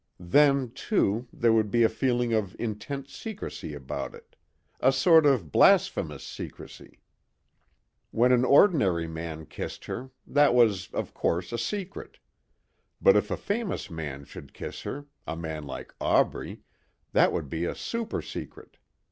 Then, too, there would be a feeling of intense secrecy about it, a sort of blasphemous secrecy. When an ordinary man kissed her, that was of course, a secret. But if a famous man should kiss her, a man like Aubrey, that would be a super secret.